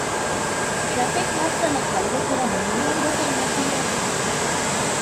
ޓްރެފިކް މައްސަލަ ހައްލުކުރަން މި ނޫން ގޮތެއް ނެތީތަ؟